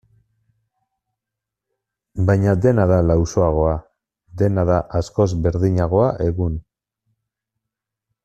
Baina dena da lausoagoa, dena da askoz berdinagoa egun.